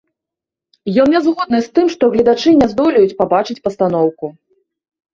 Ён не згодны з тым, што гледачы не здолеюць пабачыць пастаноўку.